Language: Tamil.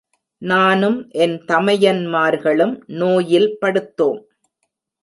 நானும் என் தமையன் மார்களும் நோயில் படுத்தோம்.